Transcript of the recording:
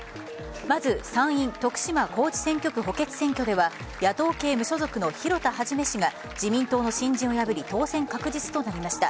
まず参院徳島・高知選挙区補欠選挙では野党系無所属の広田一氏が自民党の新人を破り当選確実となりました。